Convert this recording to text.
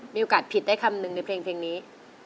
มีโอกาสผิดได้คำหนึ่งในเพลงนี้